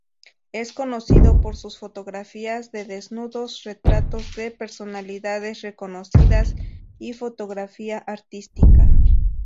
Es conocido por sus fotografías de desnudos, retratos de personalidades reconocidas y fotografía artística.